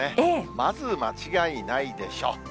まず間違いないでしょう。